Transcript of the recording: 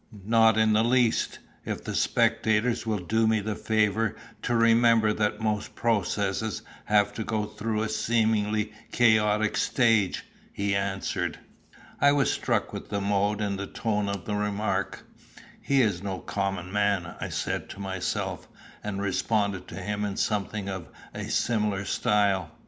"Not in the least, if the spectators will do me the favour to remember that most processes have to go through a seemingly chaotic stage," he answered. I was struck with the mode and tone of the remark. "Here is no common man," I said to myself, and responded to him in something of a similar style.